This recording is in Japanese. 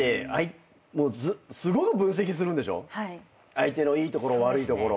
相手のいいところ悪いところ。